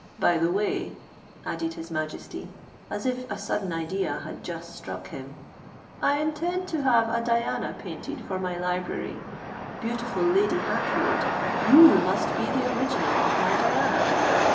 By the way," added his Majesty, as if a sudden idea had just struck him, "I intend to have a Diana painted for my Library. Beautiful Lady Hatfield, you must be the original of my Diana!